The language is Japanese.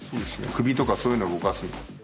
首とかそういうのを動かす。